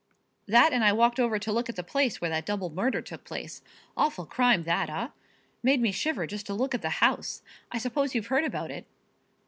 "That and I walked over to look at the place where that double murder took place. Awful crime that, eh? Made me shiver just to look at the house. I suppose you've heard about it?"